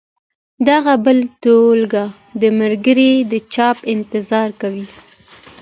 دغه بله ټولګه دمګړۍ د چاپ انتظار کوي.